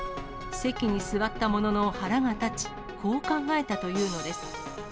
席に座ったものの腹が立ち、こう考えたというのです。